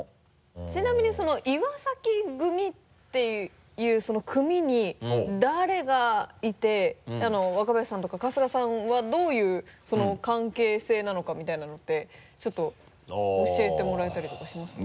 ちなみにその岩崎組っていうその組に誰がいて若林さんとか春日さんはどういう関係性なのかみたいなのってちょっと教えてもらえたりとかしますか？